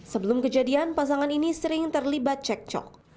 sebelum kejadian pasangan ini sering terlibat cek cok